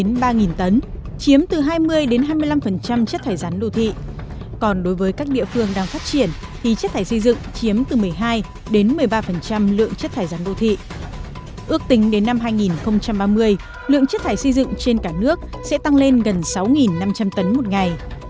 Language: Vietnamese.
năm hai nghìn ba mươi lượng chất thải xây dựng trên cả nước sẽ tăng lên gần sáu năm trăm linh tấn một ngày